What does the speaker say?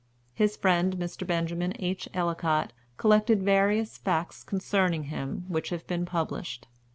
His friend, Mr. Benjamin H. Ellicott, collected various facts concerning him, which have been published.